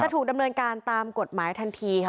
ถูกดำเนินการตามกฎหมายทันทีค่ะ